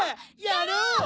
やろう！